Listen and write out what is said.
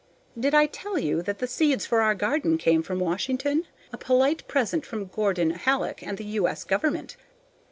Did I tell you that the seeds for our garden came from Washington? A polite present from Gordon Hallock and the U. S. Government.